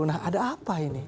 nah ada apa ini